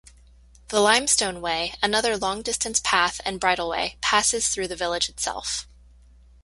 The Limestone Way, another long-distance path and bridleway, passes through the village itself.